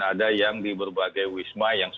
ada yang di berbagai wisma yang